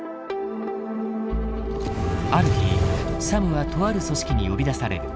ある日サムはとある組織に呼び出される。